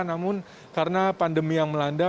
namun karena pandemi yang melanda